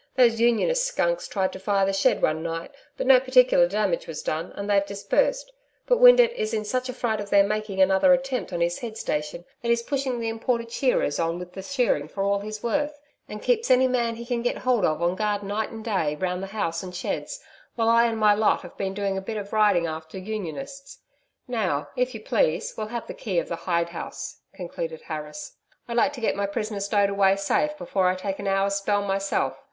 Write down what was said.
Those Unionist skunks tried to fire the shed one night, but no particular damage was done, and they've dispersed. But Windeatt is in such a fright of their making another attempt on his head station that he's pushing the imported shearers on with the shearing for all he's worth, and keeps any man he can get hold of on guard night and day round the house and sheds, while I and my lot have been doing a bit of riding after Unionists.... Now, if you please, we'll have the key of the hide house,' concluded Harris. 'I'd like to get my prisoner stowed away safe before I take an hour's spell myself.